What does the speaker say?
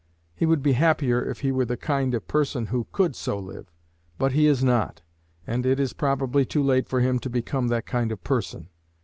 He would be happier if he were the kind of person who could so live; but he is not, and it is probably too late for him to become that kind of person.